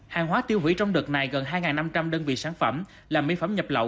hàng hóa tiêu hủy trong đợt này gần hai năm trăm linh đơn vị sản phẩm làm mỹ phẩm nhập lậu